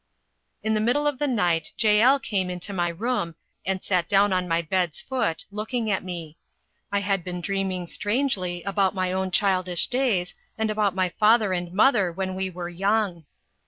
In the middle of the night Jael came into my room, and sat down on my bed's foot, looking at me. I had been dreaming strangely, about my own childish days, and about my father and mother when we were young.